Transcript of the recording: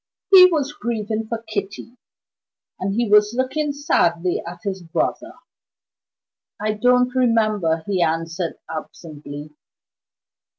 He was grieving for Kitty; and he was looking sadly at his brother. "I don't remember," he answered, absently.